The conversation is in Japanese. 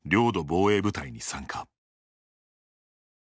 防衛部隊に参加。